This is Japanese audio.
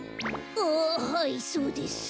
ああはいそうです。